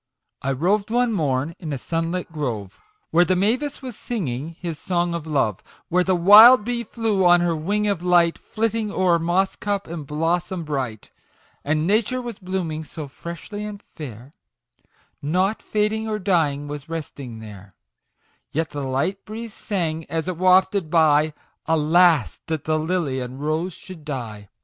I roved one morn in a sunlit grove, Where the mavis was singing his song of love, Where the wild bee flew on her wing of light, Flitting o'er moss cup and blossom bright ! And Nature was blooming so freshly and fair, Nought fading or dying was resting there ; Yet the light breeze sang, as it wafted by, " Alas that the Lily and Rose should die